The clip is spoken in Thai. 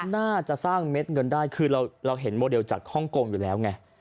น่าจะสร้างเม็ดเงินได้คือเราเห็นโมเดลจากฮ่องกงอยู่แล้วไง